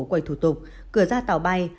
quầy thủ tục cửa ra tàu bay